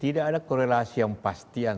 tidak ada korelasi yang berbeda kan